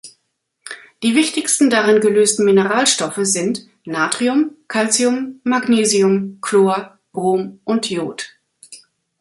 Die wichtigsten darin gelösten Mineralstoffe sind Natrium, Kalzium, Magnesium, Chlor, Brom und Iod.